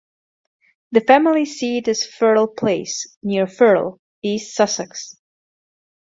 The family seat is Firle Place, near Firle, East Sussex.